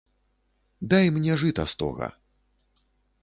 Дай мне жыта стога.